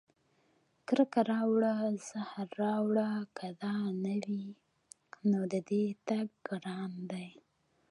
کرکه راوړه زهر راوړه که دا نه وي، نو د دې تګ ګران دی